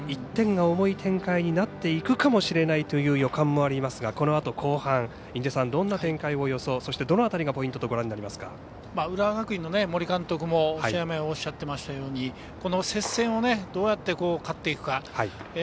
１点が重い展開になっていくかもしれないという予感もありますがこのあと後半、印出さんどんな展開を予想、どの辺りがポイントと浦和学院の森監督も試合前おっしゃってましたようにこの接戦をどうやって勝っていくか。